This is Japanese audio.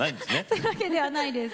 そういうわけではないです。